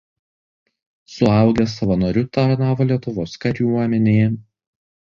Suaugęs savanoriu tarnavo Lietuvos kariuomenėje.